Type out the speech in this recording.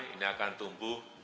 ini akan tumbuh